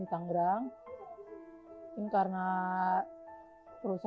dan astronomi yoang di indonesia pen adm keras itu